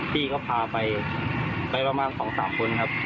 พี่ก็พาไปไปประมาณ๒๓คนครับ